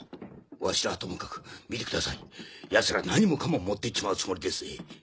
わしらはともかく見てくださいヤツら何もかも持っていっちまうつもりですぜ。